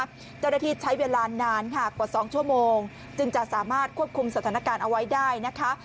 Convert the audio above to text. เจ้าหน้าที่ใช้เวลานานค่ะกว่า๒ชั่วโมงจึงจะสามารถควบคุมสถานการณ์เอาไว้ได้นะคะ